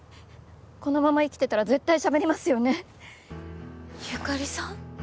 このまま生きてたら絶対喋りますよね由香里さん？